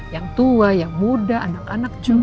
yang tua yang muda anak anak juga